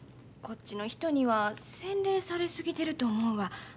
こっちの人には洗練されすぎてると思うわ。